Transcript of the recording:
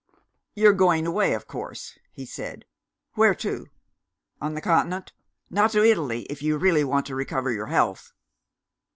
"You're going away, of course," he said. "Where to? On the Continent? Not to Italy if you really want to recover your health!"